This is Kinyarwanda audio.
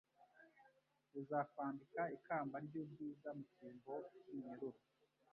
buzakwambika ikamba ry ubwiza mucyimbo kiminyururu